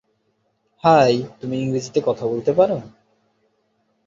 High তুমি ইংরেজিতে কথা বলতে পারো?